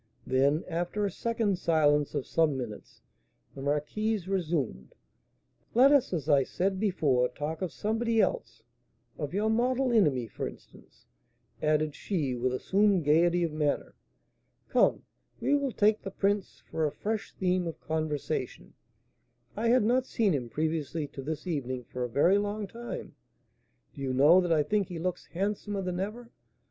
Then, after a second silence of some minutes, the marquise resumed, "Let us, as I said before, talk of somebody else, of your mortal enemy, for instance," added she, with assumed gaiety of manner; "come, we will take the prince for a fresh theme of conversation; I had not seen him, previously to this evening, for a very long time. Do you know that I think he looks handsomer than ever?